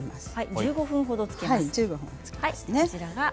１５分ほど、つけますね。